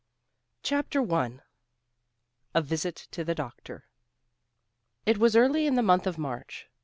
CHAPTER I. A VISIT TO THE DOCTOR. It was early in the month of March.